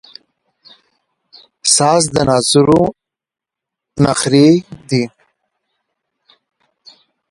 موزیک د نازو نخری دی.